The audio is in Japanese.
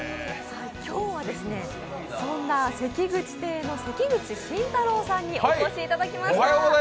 今日はそんな関口亭の関口真太郎さんにお越しいただきました。